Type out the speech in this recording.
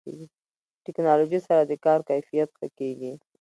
ټکنالوژي سره د کار کیفیت ښه کېږي.